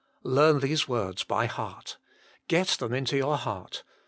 Learn these words by heart. Get them into your heart.